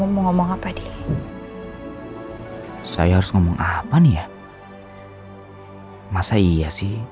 memulai membuka hati saya